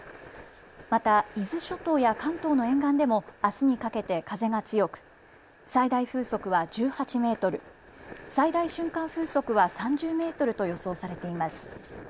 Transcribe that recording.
また伊豆諸島や関東の沿岸でもあすにかけて風が強く最大風速は１８メートル、最大瞬間風速は３０メートルと予想されています。